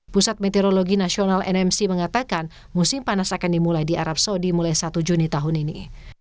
pusat meteorologi nasional nmc mengatakan musim panas akan dimulai di arab saudi mulai satu juni tahun ini